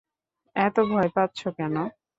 এত ভয় পাচ্ছ কেন?